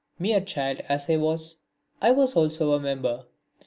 Mere child as I was, I also was a member.